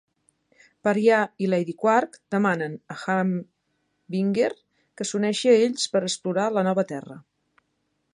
Pariah i Lady Quark demanen a Harbinger que s'uneixi a ells per explorar la nova terra.